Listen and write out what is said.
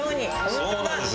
そうなんです。